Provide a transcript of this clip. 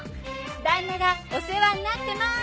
旦那がお世話になってます！